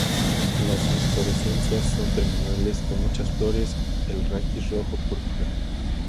Las inflorescencias son terminales, con muchas flores, el raquis rojo púrpura.